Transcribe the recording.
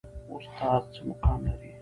استاد څه مقام لري؟